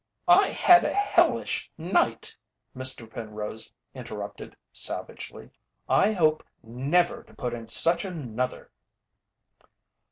"I had a hellish night!" Mr. Penrose interrupted, savagely. "I hope never to put in such another."